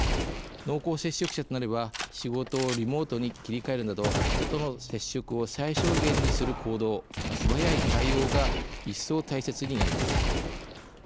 濃厚接触者となれば仕事をリモートに切り替えるなど人との接触を最小限にする行動素早い対応が一層大切になります。